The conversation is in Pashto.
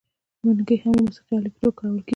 منګی هم د موسیقۍ الې په توګه کارول کیږي.